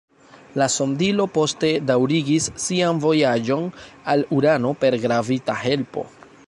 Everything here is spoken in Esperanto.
La sondilo poste daŭrigis sian vojaĝon al Urano per gravita helpo.